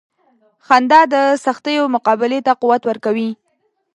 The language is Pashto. • خندا د سختیو مقابلې ته قوت ورکوي.